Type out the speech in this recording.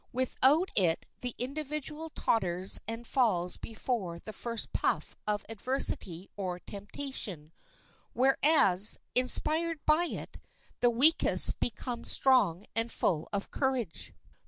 Without it the individual totters and falls before the first puff of adversity or temptation; whereas, inspired by it, the weakest become strong and full of courage.